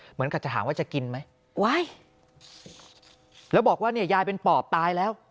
เหมือนกับจะถามว่าจะกินไหมว้ายแล้วบอกว่าเนี่ยยายเป็นปอบตายแล้ว